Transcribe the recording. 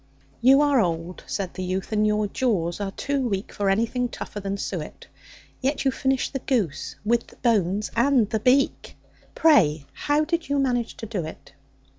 "You are old," said the youth, "and your jaws are too weak For anything tougher than suet; Yet you finished the goose, with the bones and the beak Pray, how did you manage to do it?"